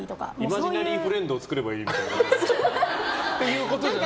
イマジナリーフレンドを作ればいいってこと？